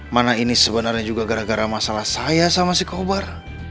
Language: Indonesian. mana ini sebenarnya juga gara gara masalah saya sama si kobar